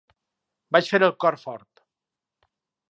Vaig fer el cor fort.